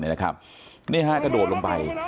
นี่ฮะกระโดดลงไป